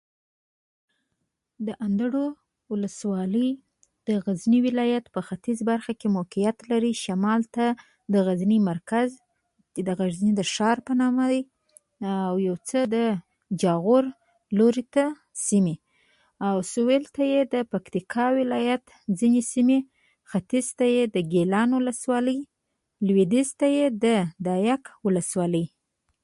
د اندړو ولسوالي د غزني ولایت په ختیځ برخه کې موقیعت لري. شمال ته د غزني مرکز، د غزني د ښار په نامه دی، او یو څه د جاغور لورې ته سیمې. سویل ته یې د پکتیکا ولایت ځینې سیمې، ختیځ ته یې د ګیلان ولسوالي، لویدیځ ته یې د ده یک ولسوالي